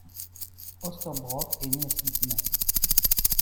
Osterbrock est né à Cincinnati.